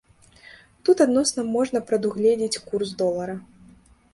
Тут адносна можна прадугледзець курс долара.